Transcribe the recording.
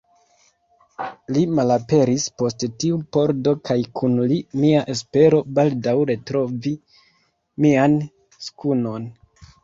Li malaperis post tiu pordo kaj kun li mia espero, baldaŭ retrovi mian skunon.